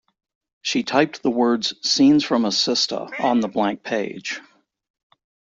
She typed the words, "Scenes from a Sistah" on the blank page.